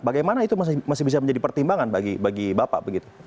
bagaimana itu masih bisa menjadi pertimbangan bagi bapak begitu